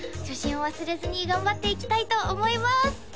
初心を忘れずに頑張っていきたいと思います！